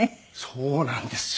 そうなんですよ。